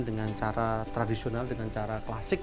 dengan cara tradisional dengan cara klasik